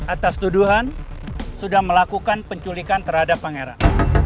atas tuduhan sudah melakukan penculikan terhadap pangeran